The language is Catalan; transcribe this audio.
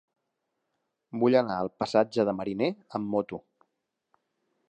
Vull anar al passatge de Mariné amb moto.